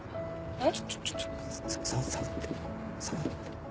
えっ！？